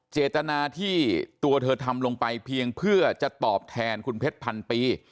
เจตนาที่ตัวเธอทำลงไปเพียงเพื่อจะตอบแทนคุณเพชรพันปี